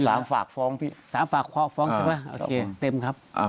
ฝากฟ้องพี่สามฝากฟ้องใช่ไหมโอเคเต็มครับ